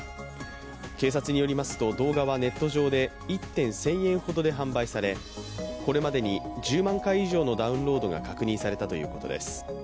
警察によりますと、動画はネット上で１点１０００円ほどで販売されこれまでに１０万回以上のダウンロードが確認されたということです。